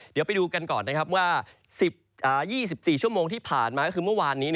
เดี๋ยวไปดูกันก่อนนะครับว่า๒๔ชั่วโมงที่ผ่านมาก็คือเมื่อวานนี้